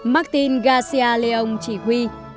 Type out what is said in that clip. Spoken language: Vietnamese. martin garcia leong chỉ huy